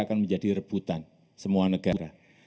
akan menjadi rebutan semua negara